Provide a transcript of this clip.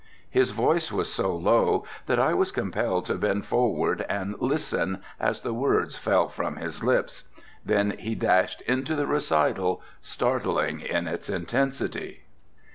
His voice was so low that I was compelled to bend forward and listen as the words fell from his lips. Then he dashed into the recital startling in its intensity.